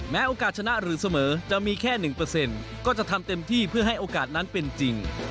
โอกาสชนะหรือเสมอจะมีแค่๑ก็จะทำเต็มที่เพื่อให้โอกาสนั้นเป็นจริง